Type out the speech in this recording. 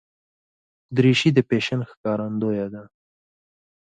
دریشي د فیشن ښکارندویه ده.